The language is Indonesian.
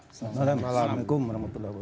assalamualaikum warahmatullahi wabarakatuh